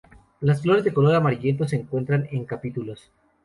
Las flores de color amarillento se encuentran en capítulos.